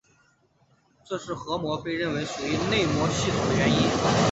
这是核膜被认为属于内膜系统的原因。